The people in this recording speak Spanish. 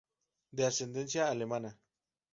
De ascendencia alemana.